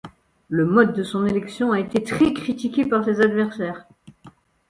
Le mode de son élection a été très critiqué par ses adversaires.